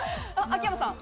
秋山さん。